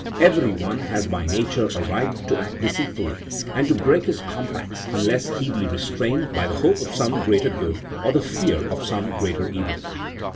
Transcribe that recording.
Everyone has by nature a right to act deceitfully, and to break his compacts, unless he be restrained by the hope of some greater good, or the fear of some greater evil.